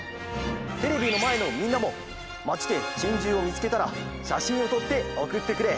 テレビのまえのみんなもまちでチンジューをみつけたらしゃしんをとっておくってくれ！